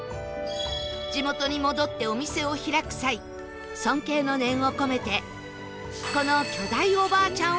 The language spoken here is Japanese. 地元に戻ってお店を開く際尊敬の念を込めてこの